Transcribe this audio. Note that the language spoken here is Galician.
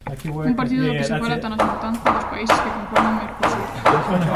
Un partido do que se fala ata na xuntanza dos países que conforman Mercosur.